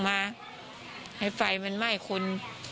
ปัญหาไม่ตกลงมาให้ไฟมันไม่ค้น